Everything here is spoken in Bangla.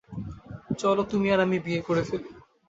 চলো তুমি আর আমি বিয়ে করে ফেলি।